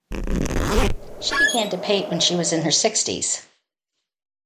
She began to paint when she was in her sixties.